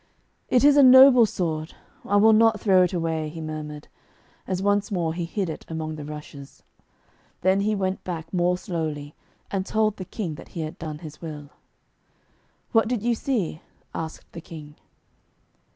'It is a noble sword; I will not throw it away,' he murmured, as once more he hid it among the rushes. Then he went back more slowly, and told the King that he had done his will. 'What did you see?' asked the King.